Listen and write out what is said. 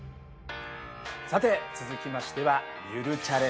さて続きましては「ゆるチャレ」です。